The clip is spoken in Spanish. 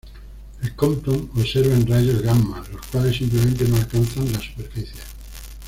El Compton observa en rayos gamma, los cuales simplemente no alcanzan la superficie.